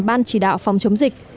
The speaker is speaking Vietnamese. ban chỉ đạo phòng chống dịch